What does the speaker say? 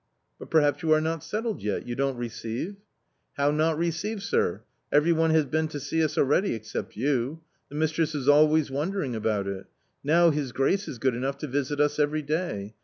" But perhaps you are not settled yet — you don't receive ?"" How not receive, sir ; every one has been to see us already, except you ; the mistress is always wondering about it. Now his grace is good enough to visit us every day.